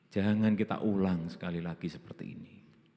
jangan kita ulang sekali lagi seperti ini